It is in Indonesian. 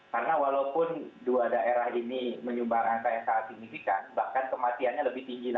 karena walaupun dua daerah ini menyumbang angka yang sangat signifikan bahkan kematiannya lebih tinggi lagi daripada kontribusi kasusnya